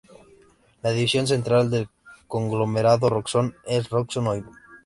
La división central del conglomerado Roxxon es Roxxon Oil.